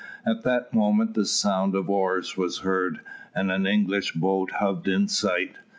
At that moment the sound of oars was heard, and an English boat hove in sight.